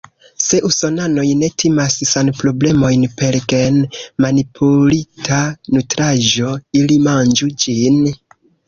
Se usonanoj ne timas sanproblemojn per gen-manipulita nutraĵo, ili manĝu ĝin.